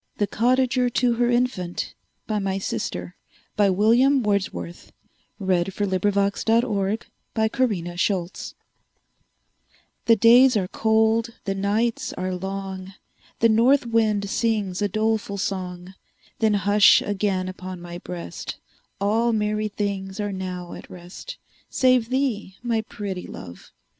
THE COTTAGER TO HER INFANT BY MY SISTER THE COTTAGER TO HER INFANT THE days are cold, the nights are long, The north wind sings a doleful song; Then hush again upon my breast; All merry things are now at rest, Save thee, my pretty Love!